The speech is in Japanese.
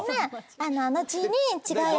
後に。